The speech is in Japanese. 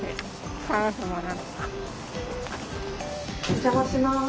お邪魔します。